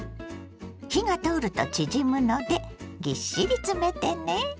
火が通ると縮むのでぎっしり詰めてね。